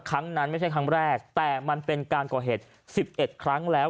ครั้งนั้นไม่ใช่ครั้งแรกแต่มันเป็นการก่อเหตุ๑๑ครั้งแล้ว